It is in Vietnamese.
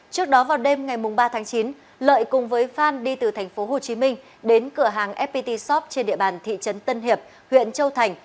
trước đó vào đêm ngày ba tháng chín lợi cùng với phan đi từ thành phố hồ chí minh đến cửa hàng fpt shop trên địa bàn thị trấn tân hiệp huyện châu thành